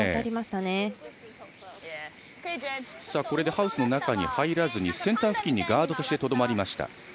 これでハウスの中に入らずセンター付近にガードとしてとどまりました。